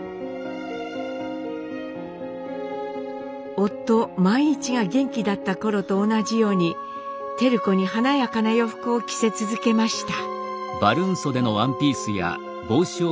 夫萬一が元気だった頃と同じように照子に華やかな洋服を着せ続けました。